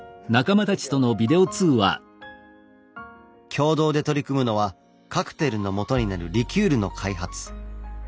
共同で取り組むのはカクテルのもとになるリキュールの開発。